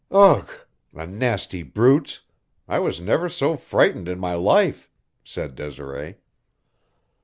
"Ugh! The nasty brutes! I was never so frightened in my life," said Desiree.